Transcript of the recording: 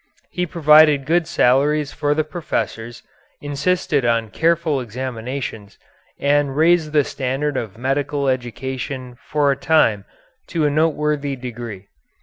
He provided good salaries for the professors, insisted on careful examinations, and raised the standard of medical education for a time to a noteworthy degree.